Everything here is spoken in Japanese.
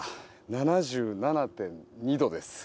７７．２度です。